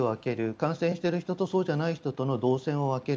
感染している人とそうじゃない人の動線を分ける。